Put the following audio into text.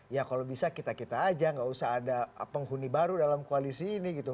ya kalau bisa kita kita aja nggak usah ada penghuni baru dalam koalisi ini gitu